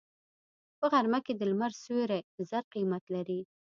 په غرمه کې د لمر سیوری د زر قیمت لري